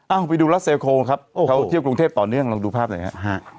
ไปดูรัสเซลโคครับเขาเที่ยวกรุงเทพต่อเนื่องลองดูภาพหน่อยฮะ